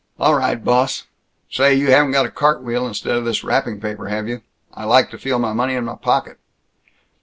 "All right, boss. Say, you haven't got a cartwheel instead of this wrapping paper, have you? I like to feel my money in my pocket."